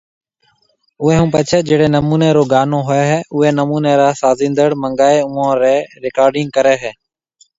اوئي ھونپڇي جھڙي نموني رو گانو ھوئي اوئي نموني را سازيندڙ منگائي اوئون رِي رڪارڊنگ ڪري ھيَََ